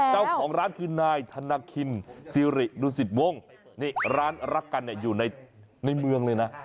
จ้าของร้านคือนายธนาคินซิริดูสิวงร้านรักกันอยู่ในเมืองเลยนะ